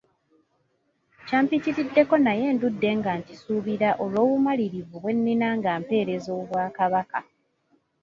Kyampitiriddeko naye ndudde nga nkisuubira olw'obumalirivu bwe nina nga mpeereza Obwakabaka.